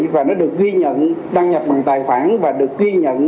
và nó được ghi nhận đăng nhập bằng tài khoản và được ghi nhận